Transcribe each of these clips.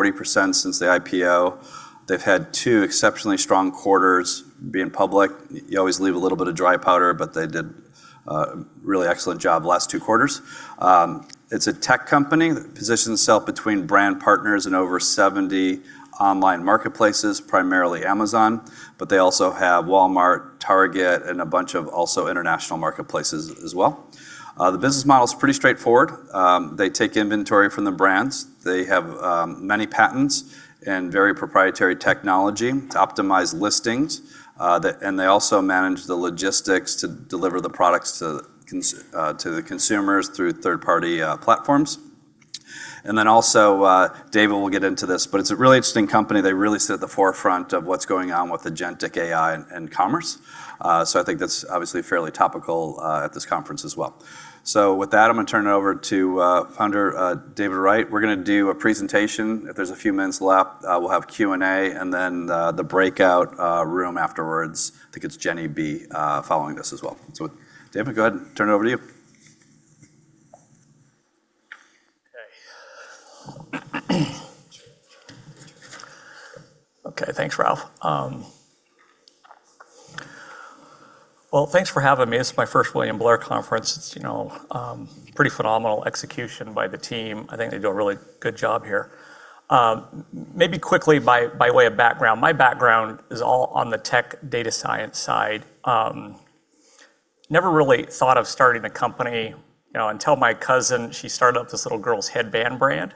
40% since the IPO. They've had two exceptionally strong quarters being public. You always leave a little bit of dry powder, they did a really excellent job the last two quarters. It's a tech company that positions itself between brand partners and over 70 online marketplaces, primarily Amazon, they also have Walmart, Target, and a bunch of also international marketplaces as well. The business model is pretty straightforward. They take inventory from the brands. They have many patents and very proprietary technology to optimize listings. They also manage the logistics to deliver the products to the consumers through third-party platforms. Also, David will get into this, it's a really interesting company. They really sit at the forefront of what's going on with agentic AI and commerce. I think that's obviously fairly topical at this conference as well. With that, I'm going to turn it over to Founder David Wright. We're going to do a presentation. If there's a few minutes left, we'll have Q&A, and then the breakout room afterwards. I think it's Jenny B following this as well. David, go ahead, turn it over to you. Okay. Okay, thanks, Ralph. Well, thanks for having me. This is my first William Blair conference. It's pretty phenomenal execution by the team. I think they do a really good job here. Maybe quickly by way of background, my background is all on the tech data science side. Never really thought of starting a company until my cousin, she started up this little girls' headband brand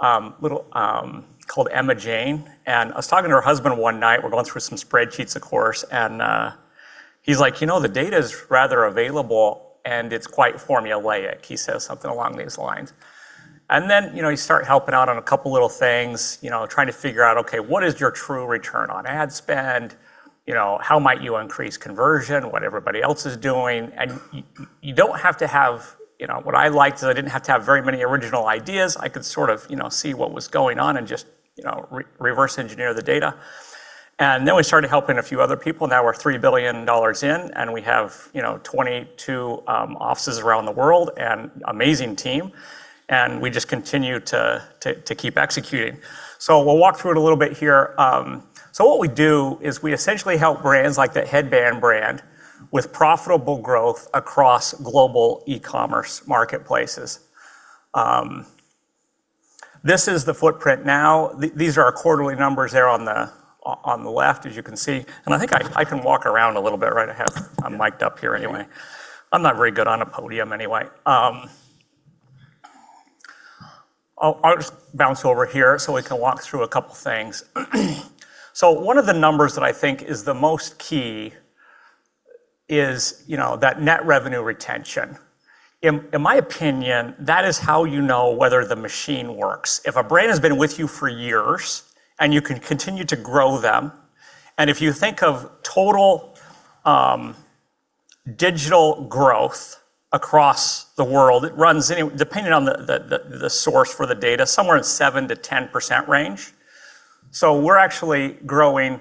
called Emma Jane, and I was talking to her husband one night. We're going through some spreadsheets, of course, and he's like, "You know, the data's rather available and it's quite formulaic." He says something along these lines. Then, you start helping out on a couple little things, trying to figure out, okay, what is your true return on ad spend? How might you increase conversion? What everybody else is doing. What I liked is I didn't have to have very many original ideas. I could sort of see what was going on and just reverse engineer the data. We started helping a few other people. Now we're $3 billion in. We have 22 offices around the world, an amazing team. We just continue to keep executing. We'll walk through it a little bit here. What we do is we essentially help brands like the headband brand with profitable growth across global e-commerce marketplaces. This is the footprint now. These are our quarterly numbers there on the left, as you can see. I think I can walk around a little bit, right? I'm mic'd up here anyway. I'm not very good on a podium anyway. I'll just bounce over here so we can walk through a couple things. One of the numbers that I think is the most key is that net revenue retention. In my opinion, that is how you know whether the machine works. If a brand has been with you for years and you can continue to grow them, and if you think of total digital growth across the world, it runs, depending on the source for the data, somewhere in 7%-10% range. We're actually growing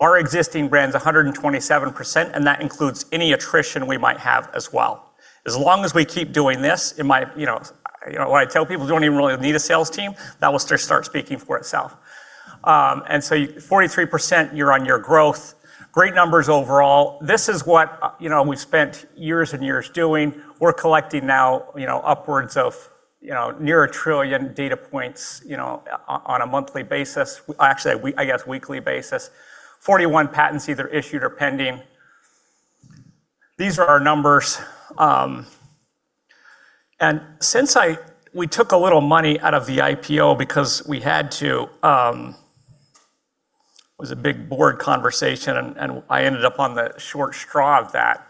our existing brands 127%, and that includes any attrition we might have as well. As long as we keep doing this, what I tell people, you don't even really need a sales team. That will start speaking for itself. 43% year-over-year growth, great numbers overall. This is what we've spent years and years doing. We're collecting now upwards of near a trillion data points on a monthly basis. Well, actually, I guess weekly basis. 41 patents either issued or pending. These are our numbers. Since we took a little money out of the IPO because we had to, it was a big board conversation, and I ended up on the short straw of that.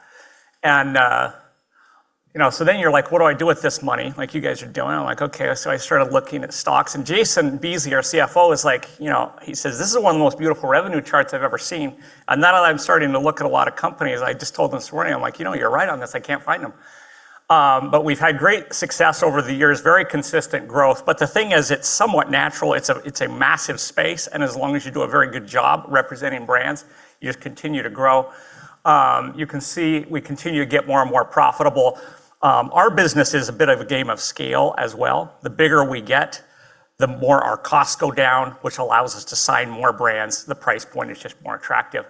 You're like, "What do I do with this money?" Like you guys are doing. I'm like, "Okay." I started looking at stocks, and Jason Beesley, our CFO, is like, he says, "This is one of the most beautiful revenue charts I've ever seen." Now that I'm starting to look at a lot of companies, I just told him this morning, I'm like, "You know, you're right on this. I can't find them." We've had great success over the years, very consistent growth. The thing is, it's somewhat natural. It's a massive space, and as long as you do a very good job representing brands, you just continue to grow. You can see we continue to get more and more profitable. Our business is a bit of a game of scale as well. The bigger we get, the more our costs go down, which allows us to sign more brands. The price point is just more attractive.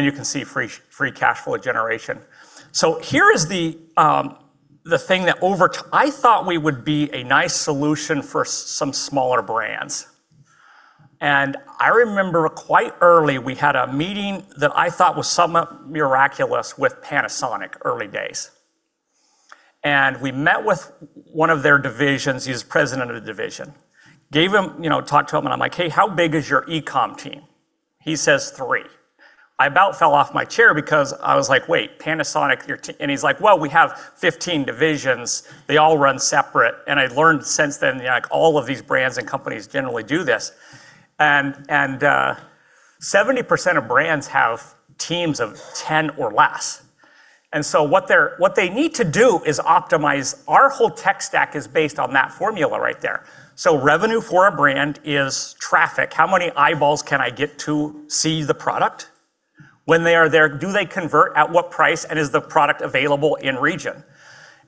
You can see free cash flow generation. Here is the thing that I thought we would be a nice solution for some smaller brands. I remember quite early we had a meeting that I thought was somewhat miraculous with Panasonic, early days. We met with one of their divisions. He was president of the division. Talked to him, I'm like, "Hey, how big is your e-com team?" He says, "three." I about fell off my chair because I was like, "Wait, Panasonic, your" He's like, "Well, we have 15 divisions. They all run separate." I learned since then, all of these brands and companies generally do this. 70% of brands have teams of 10 or less. What they need to do is optimize. Our whole tech stack is based on that formula right there. Revenue for a brand is traffic. How many eyeballs can I get to see the product? When they are there, do they convert, at what price, and is the product available in region?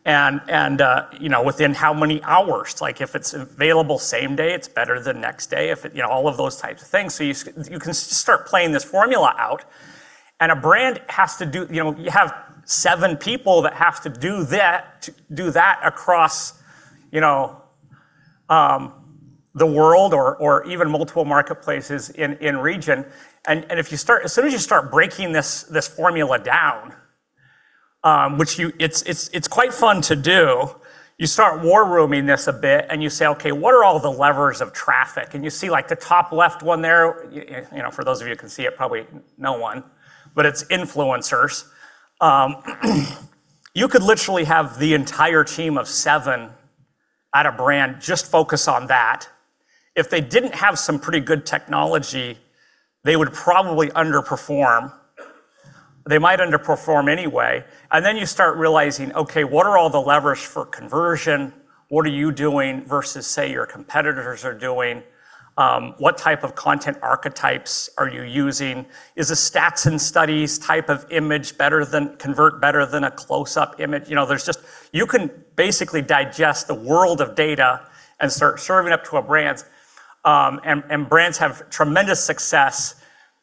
Within how many hours? If it's available same day, it's better than next day, all of those types of things. You can start playing this formula out, and a brand, you have seven people that have to do that across the world or even multiple marketplaces in region. As soon as you start breaking this formula down, which it's quite fun to do, you start war rooming this a bit, and you say, Okay, what are all the levers of traffic? You see the top left one there, for those of you who can see it, probably no one, but it's influencers. You could literally have the entire team of seven at a brand just focus on that. If they didn't have some pretty good technology, they would probably underperform. They might underperform anyway. Then you start realizing, okay, what are all the levers for conversion? What are you doing versus, say, your competitors are doing? What type of content archetypes are you using? Is a stats and studies type of image convert better than a close-up image? You can basically digest the world of data and start serving up to a brand. Brands have tremendous success,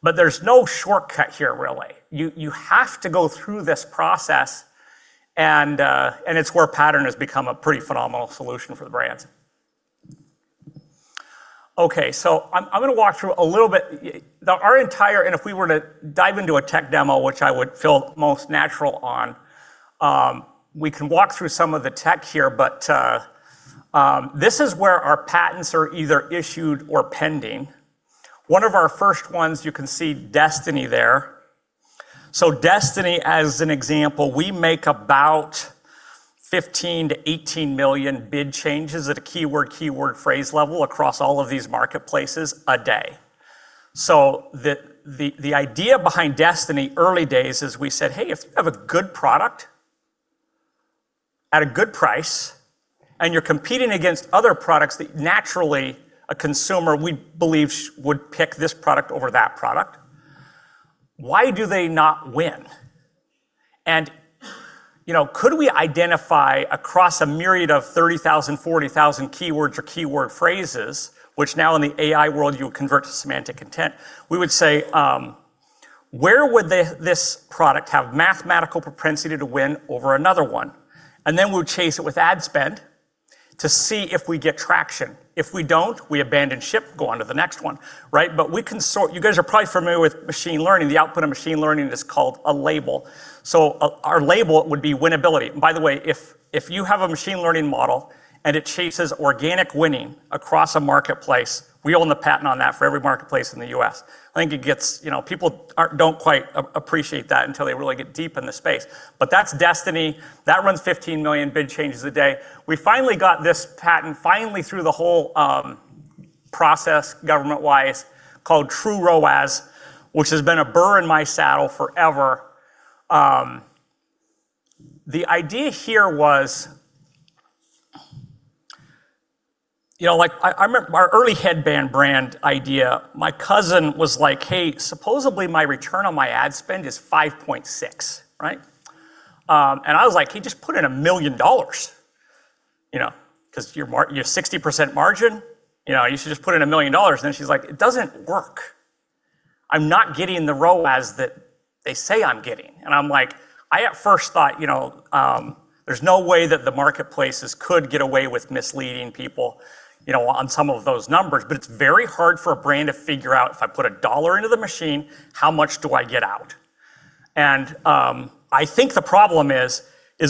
but there's no shortcut here, really. You have to go through this process, and it's where Pattern has become a pretty phenomenal solution for the brands. I'm going to walk through a little bit. If we were to dive into a tech demo, which I would feel most natural on, we can walk through some of the tech here, but this is where our patents are either issued or pending. One of our first ones, you can see Destiny there. Destiny, as an example, we make about 15 million-18 million bid changes at a keyword phrase level across all of these marketplaces a day. The idea behind Destiny early days is we said, "Hey, if you have a good product at a good price, and you're competing against other products that naturally a consumer, we believe, would pick this product over that product, why do they not win?" Could we identify across a myriad of 30,000, 40,000 keywords or keyword phrases, which now in the AI world, you would convert to semantic content. We would say, where would this product have mathematical propensity to win over another one? Then we would chase it with ad spend to see if we get traction. If we don't, we abandon ship, go on to the next one. Right? You guys are probably familiar with machine learning. The output of machine learning is called a label. Our label would be winnability. By the way, if you have a machine learning model and it chases organic winning across a marketplace, we own the patent on that for every marketplace in the U.S. I think people don't quite appreciate that until they really get deep in the space. That's Destiny. That runs 15 million bid changes a day. We finally got this patent, finally through the whole process government-wise, called True ROAS, which has been a burr in my saddle forever. The idea here was, I remember our early headband brand idea. My cousin was like, "Hey, supposedly my return on my ad spend is 5.6." Right? I was like, "Hey, just put in $1 million, because you have 60% margin, you should just put in $1 million." She's like, "It doesn't work. I'm not getting the ROAS that they say I'm getting. I'm like, I at first thought there's no way that the marketplaces could get away with misleading people on some of those numbers. It's very hard for a brand to figure out, if I put $1 into the machine, how much do I get out? I think the problem is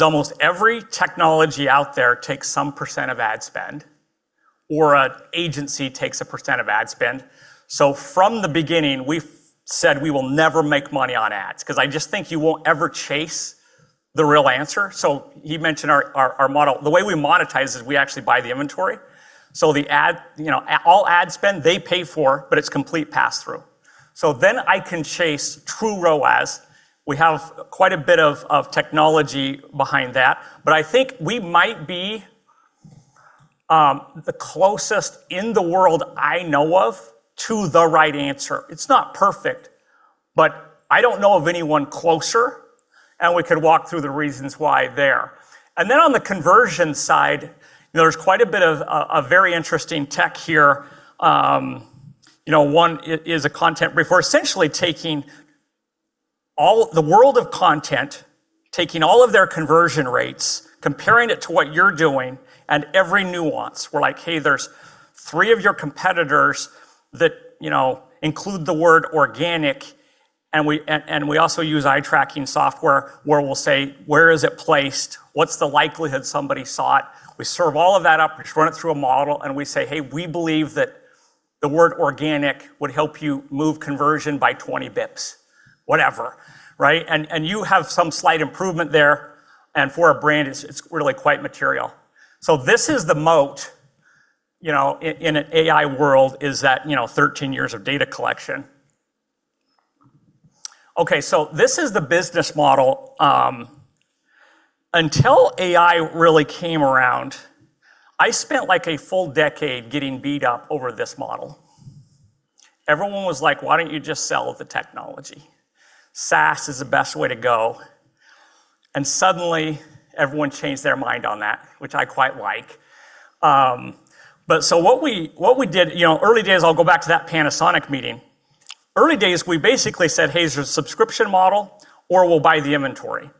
almost every technology out there takes some percent of ad spend or an agency takes a percent of ad spend. From the beginning, we've said we will never make money on ads because I just think you won't ever chase the real answer. He mentioned our model. The way we monetize is we actually buy the inventory. All ad spend they pay for, but it's complete passthrough. I can chase true ROAS. We have quite a bit of technology behind that, but I think we might be the closest in the world I know of to the right answer. It's not perfect, but I don't know of anyone closer, and we could walk through the reasons why there. On the conversion side, there's quite a bit of a very interesting tech here. One is a content brief. We're essentially taking the world of content, taking all of their conversion rates, comparing it to what you're doing and every nuance. We're like, "Hey, there's three of your competitors that include the word organic," and we also use eye-tracking software where we'll say, "Where is it placed? What's the likelihood somebody saw it?" We serve all of that up, we run it through a model, and we say, "Hey, we believe that the word organic would help you move conversion by 20 basis points." Whatever. Right? You have some slight improvement there, and for a brand, it's really quite material. This is the moat in an AI world is that 13 years of data collection. This is the business model. Until AI really came around, I spent a full decade getting beat up over this model. Everyone was like: "Why don't you just sell the technology? SaaS is the best way to go." Suddenly everyone changed their mind on that, which I quite like. What we did, early days, I'll go back to that Panasonic meeting. Early days, we basically said, "Hey, here's a subscription model, or we'll buy the inventory."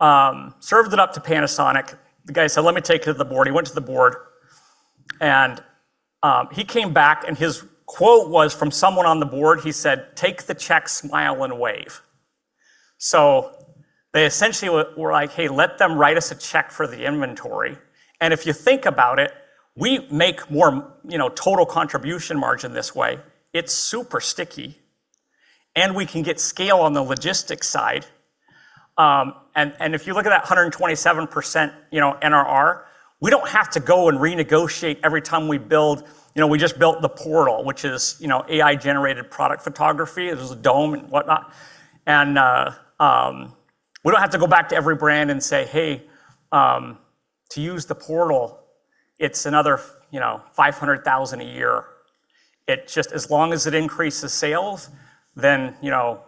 Served it up to Panasonic. The guy said: "Let me take it to the board." He went to the board and he came back and his quote was from someone on the board, he said, "Take the check, smile, and wave." They essentially were like, "Hey, let them write us a check for the inventory." If you think about it, we make more total contribution margin this way. It's super sticky, and we can get scale on the logistics side. If you look at that 127% NRR, we don't have to go and renegotiate every time we build. We just built The Portal, which is AI-generated product photography. There's a dome and whatnot. We don't have to go back to every brand and say, "Hey, to use The Portal, it's another $500,000 a year." As long as it increases sales, then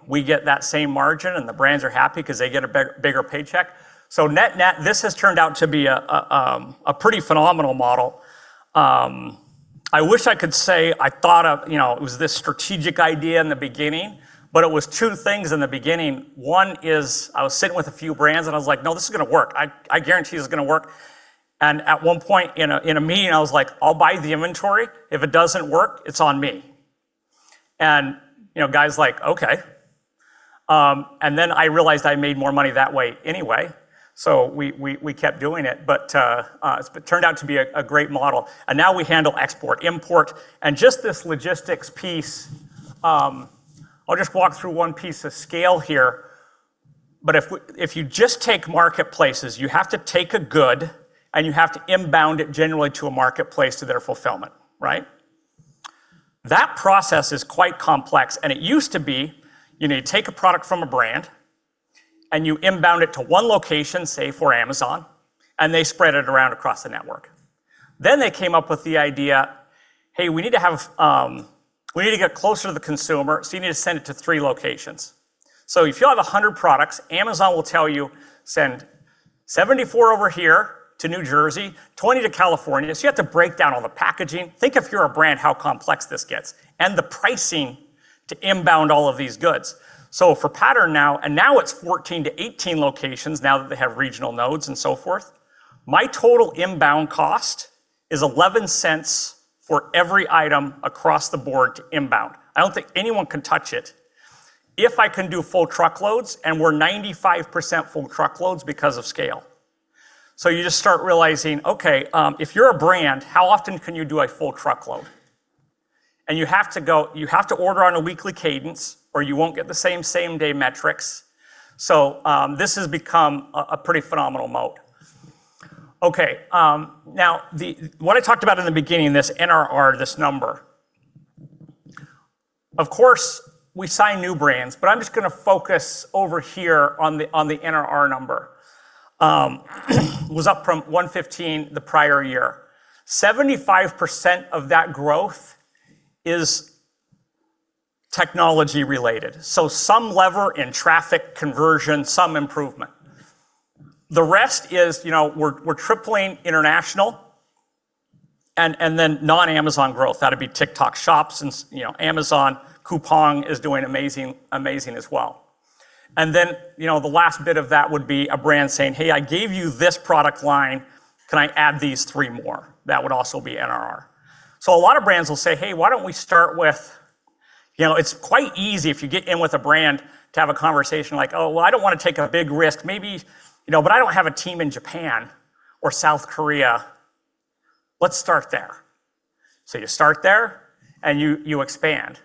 we get that same margin, and the brands are happy because they get a bigger paycheck. Net-net, this has turned out to be a pretty phenomenal model. I wish I could say I thought of it was this strategic idea in the beginning, but it was two things in the beginning. One is I was sitting with a few brands and I was like, "No, this is going to work. I guarantee this is going to work." At one point in a meeting, I was like, "I'll buy the inventory. If it doesn't work, it's on me." Guy's like, "Okay." Then I realized I made more money that way anyway, so we kept doing it. It turned out to be a great model. Now we handle export, import, and just this logistics piece. I'll just walk through one piece of scale here. If you just take marketplaces, you have to take a good, and you have to inbound it generally to a marketplace to their fulfillment, right? That process is quite complex, and it used to be you need to take a product from a brand, and you inbound it to one location, say for Amazon, and they spread it around across the network. They came up with the idea, "Hey, we need to get closer to the consumer, so you need to send it to three locations." If you have 100 products, Amazon will tell you, "Send 74 over here to New Jersey, 20 to California." You have to break down all the packaging. Think if you're a brand, how complex this gets, and the pricing to inbound all of these goods. For Pattern now, it's 14-18 locations now that they have regional nodes and so forth. My total inbound cost is $0.11 for every item across the board to inbound. I don't think anyone can touch it. If I can do full truckloads, and we're 95% full truckloads because of scale. You just start realizing, okay, if you're a brand, how often can you do a full truckload? You have to order on a weekly cadence, or you won't get the same day metrics. This has become a pretty phenomenal moat. Okay, now what I talked about in the beginning, this NRR, this number. Of course, we sign new brands, but I'm just going to focus over here on the NRR number. Was up from 115 the prior year. 75% of that growth is technology-related. Some lever in traffic conversion, some improvement. The rest is we're tripling international and then non-Amazon growth. That'd be TikTok Shop and Amazon. Coupang is doing amazing as well. The last bit of that would be a brand saying, "Hey, I gave you this product line. Can I add these three more?" That would also be NRR. A lot of brands will say, "Hey, why don't we start with." It's quite easy if you get in with a brand to have a conversation like, "Oh, well, I don't want to take a big risk. I don't have a team in Japan or South Korea. Let's start there." You start there and you expand.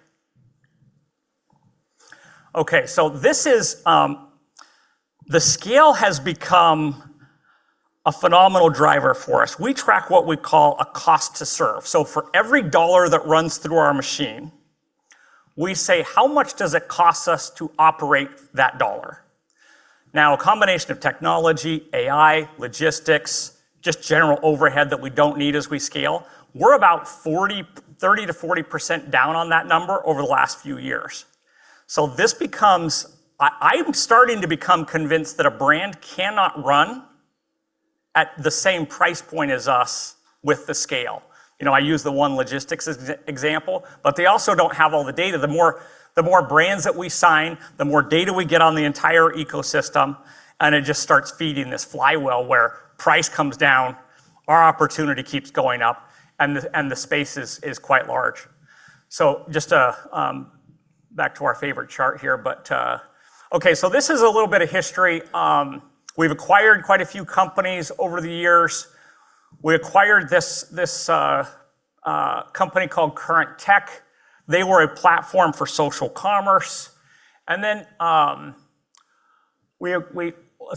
Okay. The scale has become a phenomenal driver for us. We track what we call a cost to serve. For every dollar that runs through our machine, we say, "How much does it cost us to operate that dollar?" A combination of technology, AI, logistics, just general overhead that we don't need as we scale. We're about 30%-40% down on that number over the last few years. I'm starting to become convinced that a brand cannot run at the same price point as us with the scale. I use the One Logistics as example, but they also don't have all the data. The more brands that we sign, the more data we get on the entire ecosystem, and it just starts feeding this flywheel where price comes down, our opportunity keeps going up, and the space is quite large. Just back to our favorite chart here. This is a little bit of history. We've acquired quite a few companies over the years. We acquired this company called CurrentTech. They were a platform for social commerce. Let's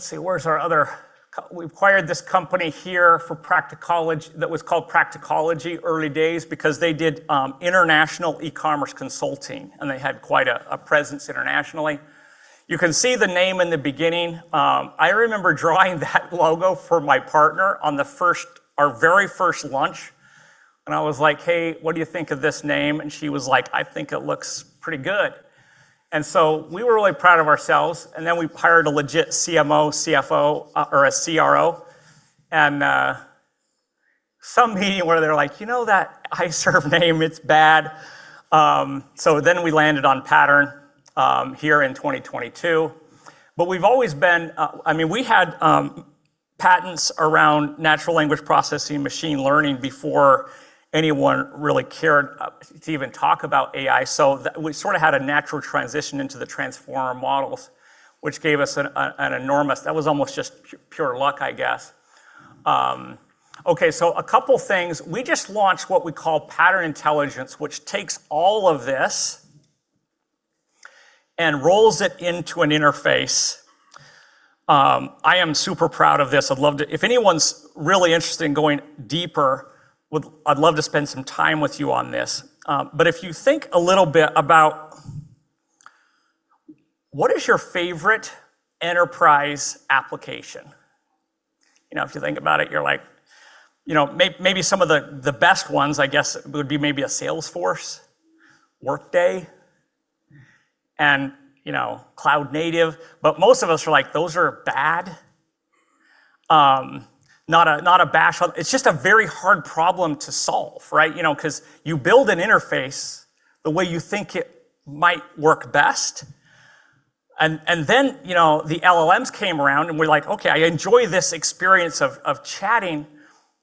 see, we acquired this company here that was called Practicology, early days, because they did international e-commerce consulting, and they had quite a presence internationally. You can see the name in the beginning. I remember drawing that logo for my partner on our very first lunch. I was like, "Hey, what do you think of this name?" She was like, "I think it looks pretty good." We were really proud of ourselves. We hired a legit CMO, CFO, or a CRO, and some meeting where they're like, "You know that iServe name, it's bad." We landed on Pattern here in 2022. We had patents around natural language processing machine learning before anyone really cared to even talk about AI. We sort of had a natural transition into the transformer models. That was almost just pure luck, I guess. A couple things. We just launched what we call Pattern Intelligence, which takes all of this and rolls it into an interface. I am super proud of this. If anyone's really interested in going deeper, I'd love to spend some time with you on this. If you think a little bit about what is your favorite enterprise application? If you think about it, you're like, maybe some of the best ones, I guess, would be maybe a Salesforce, Workday, and cloud native. Most of us are like, those are bad. It's just a very hard problem to solve, right? You build an interface the way you think it might work best, and then the LLMs came around, and we're like, okay, I enjoy this experience of chatting,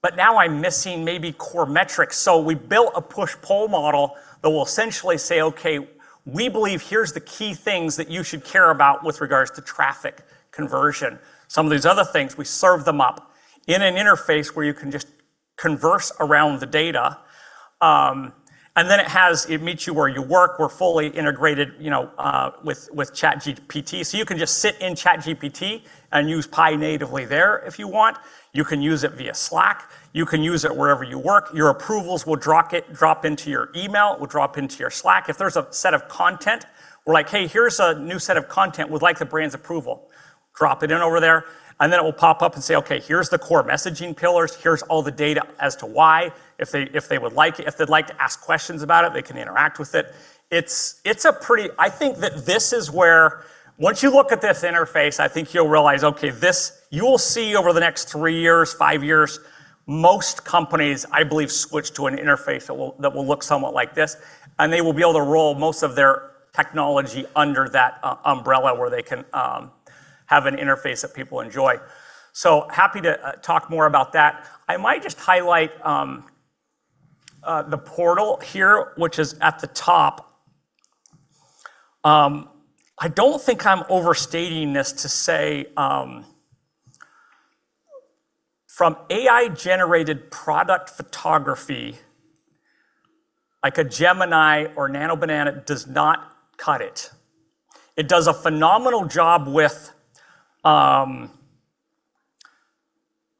but now I'm missing maybe core metrics. We built a push-pull model that will essentially say, okay, we believe here's the key things that you should care about with regards to traffic conversion. Some of these other things, we serve them up in an interface where you can just converse around the data. It meets you where you work. We're fully integrated with ChatGPT. You can just sit in ChatGPT and use Pi natively there if you want. You can use it via Slack. You can use it wherever you work. Your approvals will drop into your email. It will drop into your Slack. If there's a set of content, we're like, "Hey, here's a new set of content we'd like the brand's approval." Drop it in over there, and then it will pop up and say, okay, here's the core messaging pillars. Here's all the data as to why. If they'd like to ask questions about it, they can interact with it. I think that this is where, once you look at this interface, I think you'll realize, okay, you'll see over the next three years, five years, most companies, I believe, switch to an interface that will look somewhat like this, and they will be able to roll most of their technology under that umbrella where they can have an interface that people enjoy. Happy to talk more about that. I might just highlight The Portal here, which is at the top. I don't think I'm overstating this to say from AI-generated product photography, like a Gemini or NanoBanana does not cut it. It does a phenomenal job with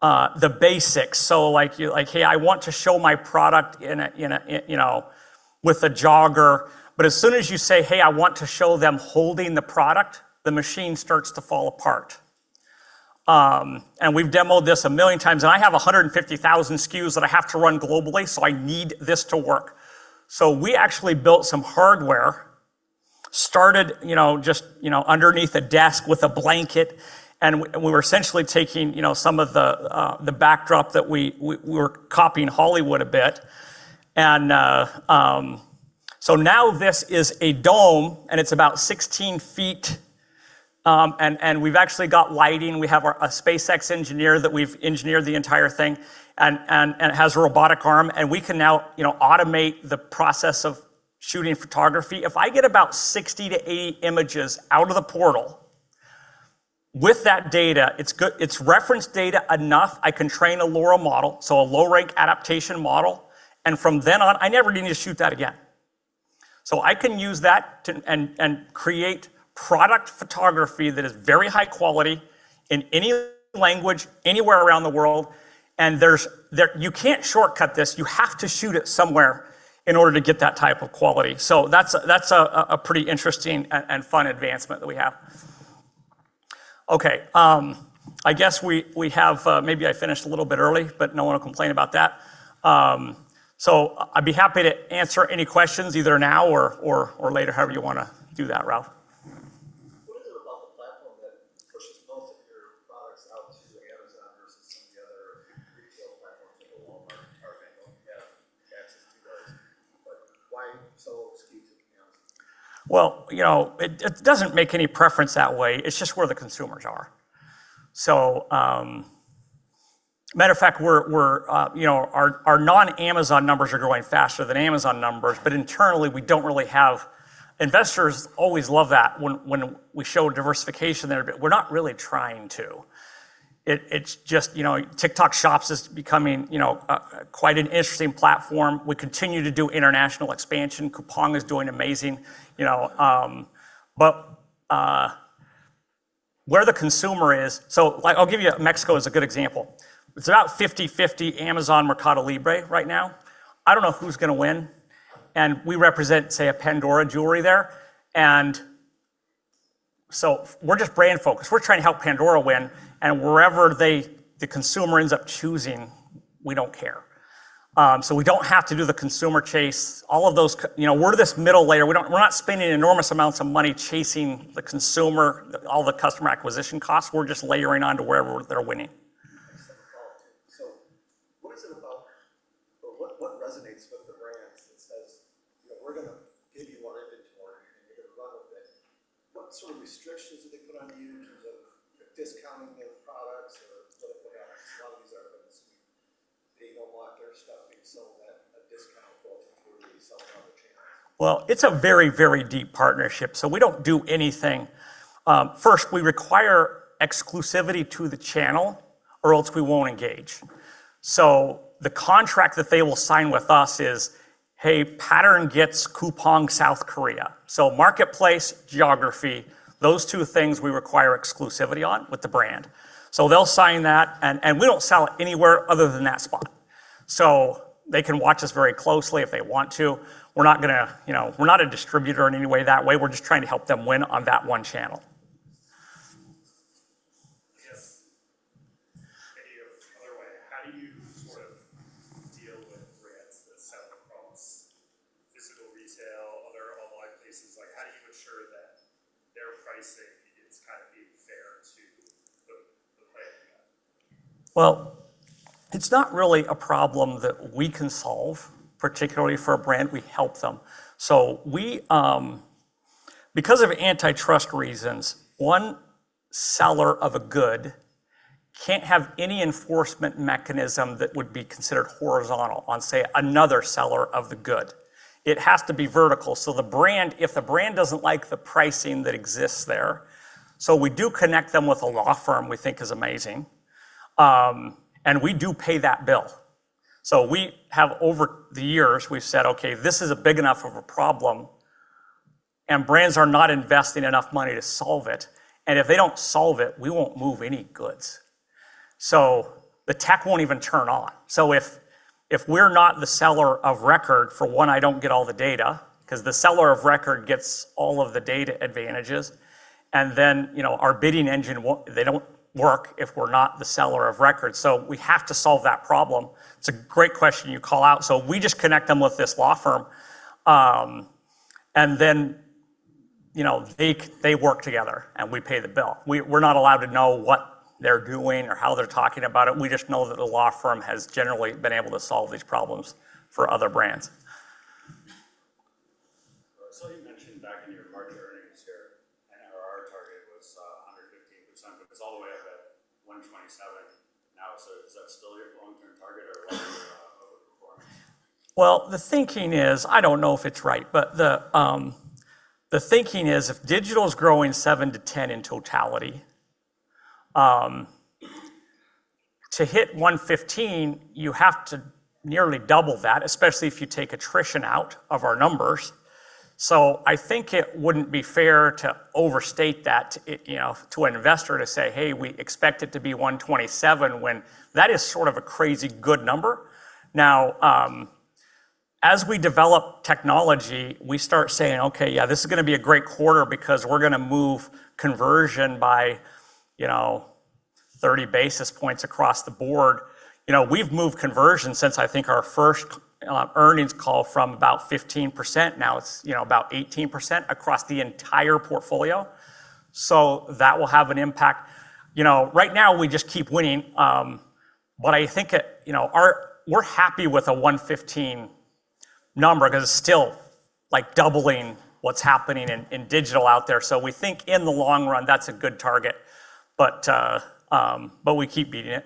the basics. Like, "Hey, I want to show my product with a jogger." As soon as you say, "Hey, I want to show them holding the product," the machine starts to fall apart. We've demoed this a million times, and I have 150,000 SKUs that I have to run globally, so I need this to work. We actually built some hardware, started just underneath a desk with a blanket, and we were essentially taking some of the backdrop that we were copying Hollywood a bit. Now this is a dome, and it's about 16 feet, and we've actually got lighting. We have a SpaceX engineer that we've engineered the entire thing, and it has a robotic arm, and we can now automate the process of shooting photography. If I get about 60 to 80 images out of The Portal with that data, it's reference data enough, I can train a LoRA model, so a low-rank adaptation model, and from then on, I never need to shoot that again. I can use that and create product photography that is very high quality in any language, anywhere around the world, and you can't shortcut this. You have to shoot it somewhere in order to get that type of quality. That's a pretty interesting and fun advancement that we have. Okay. I guess maybe I finished a little bit early, no one will complain about that. I'd be happy to answer any questions either now or later. However you want to do that, Ralph. What is it about the platform that pushes most of your products out to Amazon versus some of the other retail platforms like a Walmart or Target? Obviously, you have access to those, but why sell SKUs on Amazon? Well, it doesn't make any preference that way. It's just where the consumers are. Matter of fact, our non-Amazon numbers are growing faster than Amazon numbers, but internally, we don't really have. Investors always love that when we show diversification there, but we're not really trying to. TikTok Shop is becoming quite an interesting platform. We continue to do international expansion. Coupang is doing amazing. Where the consumer is. I'll give you Mexico as a good example. It's about 50/50 Amazon, Mercado Libre right now. I don't know who's going to win, and we represent, say, a Pandora jewelry there. We're just brand-focused. We're trying to help Pandora win and wherever the consumer ends up choosing, we don't care. We don't have to do the consumer chase, all of those. We're this middle layer. We're not spending enormous amounts of money chasing the consumer, all the customer acquisition costs. We're just layering onto wherever they're winning. What is it about or what resonates with the brands that says, "We're going to give you our inventory and you're going to run with it?" What sort of restrictions do they put on you in terms of discounting their products or stuff like that? A lot of these artists, they don't want their stuff being sold at a discount or through some other channel. Well, it's a very deep partnership, so we don't do anything. First, we require exclusivity to the channel or else we won't engage. The contract that they will sign with us is, hey, Pattern gets Coupang South Korea. Marketplace, geography, those two things we require exclusivity on with the brand. They'll sign that, and we don't sell it anywhere other than that spot. They can watch us very closely if they want to. We're not a distributor in any way that way. We're just trying to help them win on that one channel. Yes. Maybe other way, how do you sort of deal with brands that sell across physical retail, other online places? How do you ensure that their pricing is kind of being fair to the player you have? Well, it's not really a problem that we can solve, particularly for a brand. We help them. Because of antitrust reasons, one seller of a good can't have any enforcement mechanism that would be considered horizontal on, say, another seller of the good. It has to be vertical. If the brand doesn't like the pricing that exists there, we do connect them with a law firm we think is amazing. We do pay that bill. We have over the years, we've said, "Okay, this is a big enough of a problem and brands are not investing enough money to solve it. If they don't solve it, we won't move any goods." The tech won't even turn on. If we're not the seller of record, for one, I don't get all the data because the seller of record gets all of the data advantages, our bidding engine they don't work if we're not the seller of record. We have to solve that problem. It's a great question you call out. We just connect them with this law firm, they work together and we pay the bill. We're not allowed to know what they're doing or how they're talking about it. We just know that the law firm has generally been able to solve these problems for other brands. I saw you mentioned back in your March earnings here. Our target was 115%, but it's all the way up at 127% now. Is that still your long-term target or are you overperforming? Well, the thinking is, I don't know if it's right, but the thinking is if digital's growing 7%-10% in totality, to hit 115%, you have to nearly double that, especially if you take attrition out of our numbers. I think it wouldn't be fair to overstate that to an investor to say, "Hey, we expect it to be 127%," when that is sort of a crazy good number. Now, as we develop technology, we start saying, "Okay, yeah, this is going to be a great quarter because we're going to move conversion by 30 basis points across the board." We've moved conversion since I think our first earnings call from about 15%. Now it's about 18% across the entire portfolio. Right now we just keep winning. I think we're happy with a 115% number because it's still doubling what's happening in digital out there. We think in the long run, that's a good target. We keep beating it.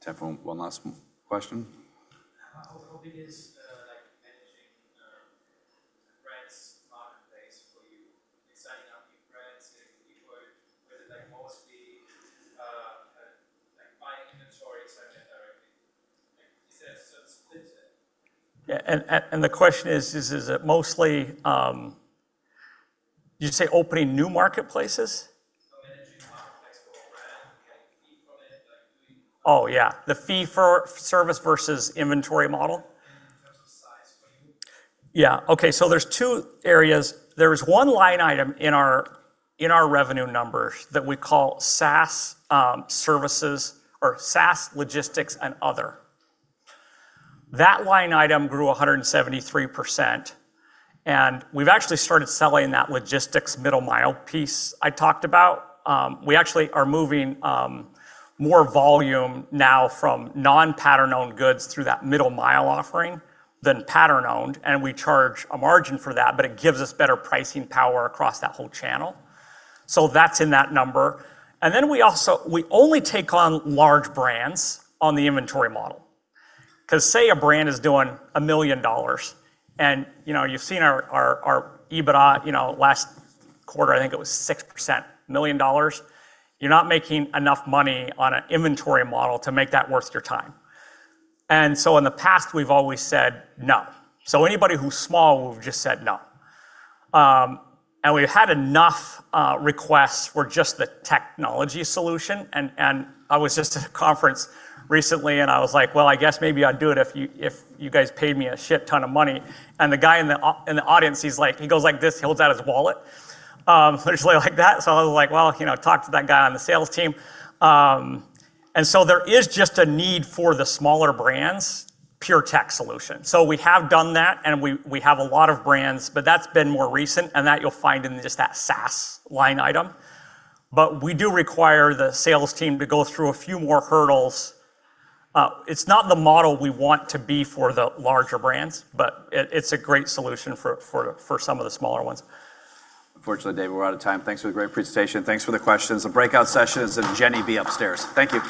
Time for one last question. How big is managing the brands marketplace for you? Are you signing up new brands, getting a fee for it? Is it mostly buying inventory directly? Is there sort of split there? Yeah, the question is, did you say opening new marketplaces? Managing marketplace for a brand, getting a fee from it, like. Oh, yeah, the fee for service versus inventory model. In terms of size for you. Yeah. Okay. There's two areas. There's one line item in our revenue numbers that we call SaaS services or SaaS logistics and other. That line item grew 173%, and we've actually started selling that logistics middle mile piece I talked about. We actually are moving more volume now from non-Pattern owned goods through that middle mile offering than Pattern owned, and we charge a margin for that, but it gives us better pricing power across that whole channel. That's in that number. We only take on large brands on the inventory model because say a brand is doing $1 million and you've seen our EBITDA last quarter, I think it was 6% $1 million. You're not making enough money on an inventory model to make that worth your time. In the past, we've always said no. Anybody who's small, we've just said no. We've had enough requests for just the technology solution, and I was just at a conference recently and I was like, "Well, I guess maybe I'd do it if you guys paid me a shit ton of money." The guy in the audience, he goes like this, he holds out his wallet. Literally like that. I was like, "Well, talk to that guy on the sales team." There is just a need for the smaller brands pure tech solution. We have done that and we have a lot of brands, but that's been more recent and that you'll find in just that SaaS line item. We do require the sales team to go through a few more hurdles. It's not the model we want to be for the larger brands, but it's a great solution for some of the smaller ones. Unfortunately, Dave, we're out of time. Thanks for the great presentation. Thanks for the questions. The breakout session is in Jenny B upstairs. Thank you.